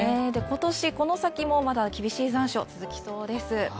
今年、この先もまだ厳しい残暑続きそうです。